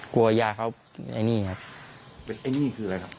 กลัวยาเขาแบบนี้ครับแบบนี้คืออะไรครับ